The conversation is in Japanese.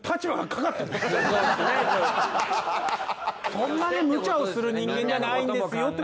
そんなねむちゃをする人間じゃないんですよって。